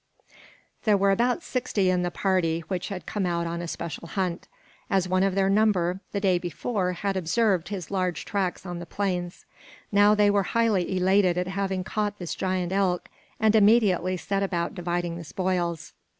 There were about sixty in the party, which had come out on a special hunt, as one of their number the day before had observed his large tracks on the plains. Now they were highly elated at having caught this giant elk and immediately set about dividing the spoils.